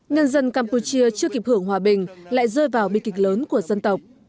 nhân dân campuchia chưa kịp hưởng hòa bình lại rơi vào bi kịch lớn của dân tộc